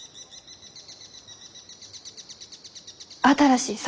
新しい酒。